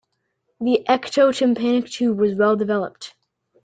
The ectotympanic tube was well-developed.